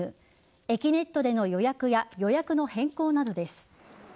えきねっとでの予約や予約の変更などです。